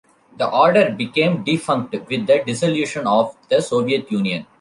The order became defunct with the dissolution of the Soviet Union.